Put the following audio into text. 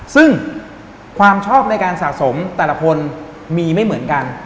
ซึ่งความชอบในการสะสมแต่ละคนมีไม่เหมือนกัน